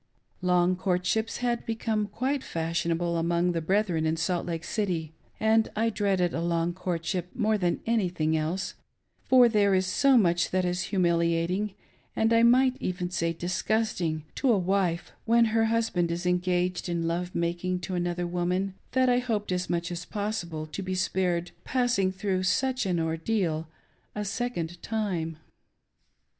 Long courtships had become quite fashionable among the brethren in Salt Lake City, and I dreaded a long courtship more than anything else, for there is so much that is humilia ting, and I might even say disgusting, to a wife when her hus band is engaged in love making to another woman, that I S40 NOT THE ONLY ONE. hoped, as much as possible, to be spared passing through sufeh an .ordeal a second time.